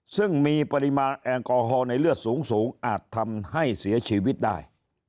ซึ่งมีปริมาณแอลกอฮอล์ในเลือดสูงอาจทำให้เสียชีวิตได้